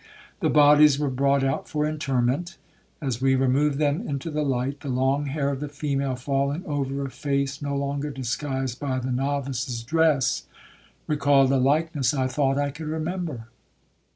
The bodies were brought out for interment. As we removed them into the light, the long hair of the female, falling over a face no longer disguised by the novice's dress, recalled a likeness I thought I could remember.